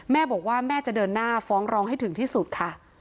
แม่บอกว่าแม่จะเดินหน้าฟ้องร้องให้ถึงที่สุดค่ะ